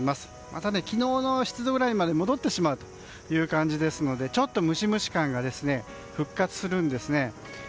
また、昨日の湿度ぐらいまで戻ってしまうという感じですのでムシムシ感が復活するんですね。